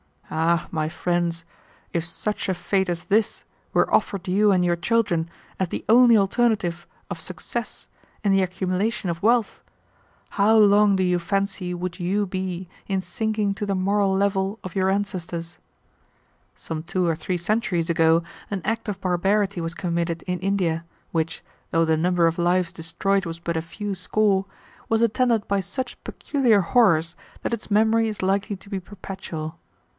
"Ah, my friends, if such a fate as this were offered you and your children as the only alternative of success in the accumulation of wealth, how long do you fancy would you be in sinking to the moral level of your ancestors? "Some two or three centuries ago an act of barbarity was committed in India, which, though the number of lives destroyed was but a few score, was attended by such peculiar horrors that its memory is likely to be perpetual.